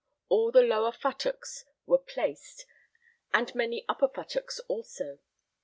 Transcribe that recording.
All the lower futtocks were placed, and many upper futtocks also.